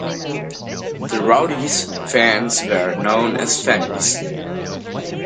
The Rowdies' fans were known as "Fannies".